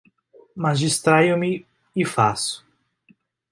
Mas distraio-me e faço.